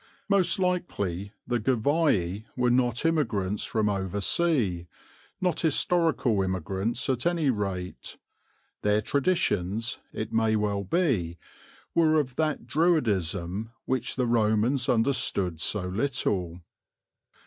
Most likely the Gervii were not immigrants from oversea, not historical immigrants at any rate. Their traditions, it may well be, were of that Druidism which the Romans understood so little.